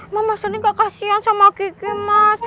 mama sendiri gak kasihan sama gigi mas